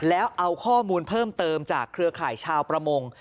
แล้วเอาข้อมูลเพิ่มเติมจากเครือข่ายชาวประมง